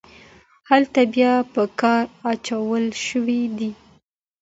هلته بیا په کار اچول شوي دي.